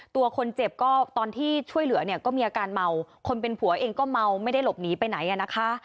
ตัวคนเจ็บก็ตอนที่ช่วยเหลือเนี่ยก็มีอาการเมาคนเป็นผัวเองก็เมาไม่ได้หลบหนีไปไหนอ่ะนะคะ